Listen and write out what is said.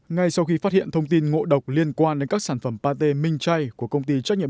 ngay sau khi phát hiện thông tin ngộ độc liên quan đến các sản phẩm pate minh chay của công ty trách nhiệm